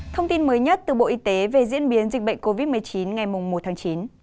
thông tin mới nhất từ bộ y tế về diễn biến dịch bệnh covid một mươi chín ngày một tháng chín